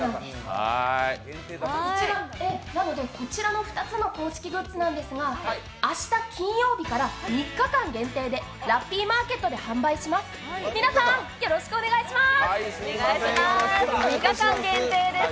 なので、こちらの２つの公式グッズなんですが、明日、金曜日から３日間限定でラッピーマーケットで販売します、皆さんよろしくお願いします。